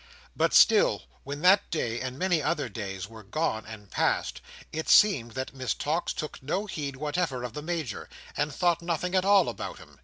But still, when that day and many other days were gone and past, it seemed that Miss Tox took no heed whatever of the Major, and thought nothing at all about him.